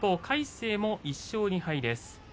魁聖も１勝２敗です。